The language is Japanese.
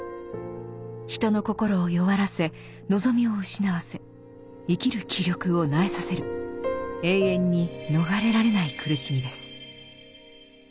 人の心を弱らせ望みを失わせ生きる気力を萎えさせる永遠に逃れられない苦しみです。